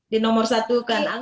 di nomor satu kan